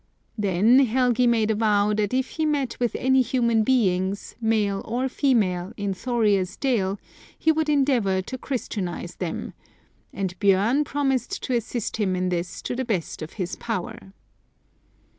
Then Helgi made a vow that if he met with any human beings, male or female, in Thorir's dale, he would endeavour to Christianise them ; and Bjorn promised to assist him in this to the best of his power.